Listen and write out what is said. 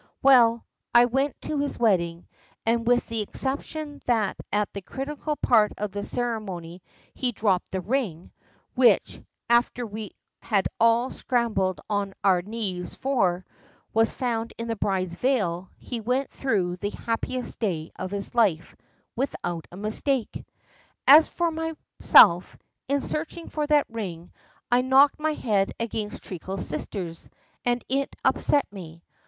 Well, I went to his wedding, and with the exception that at the critical part of the ceremony he dropped the ring, which, after we had all scrambled on our knees for, was found in the bride's veil, he went through the "happiest day of his life" without a mistake. As for myself, in searching for that ring, I knocked my head against Treacle's sister's, and it upset me.